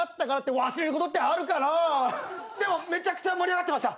でもめちゃくちゃ盛り上がってました！